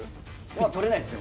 とれないです